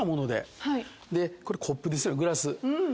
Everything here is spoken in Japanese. これコップですよグラス。